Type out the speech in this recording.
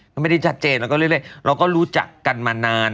ไม่ได้ชัดเจนเราก็เรื่อยเรื่อยเราก็รู้จักกันมานาน